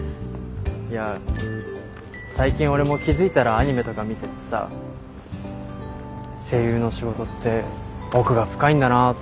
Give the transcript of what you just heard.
いや最近俺も気付いたらアニメとか見ててさ声優の仕事って奥が深いんだなと思って。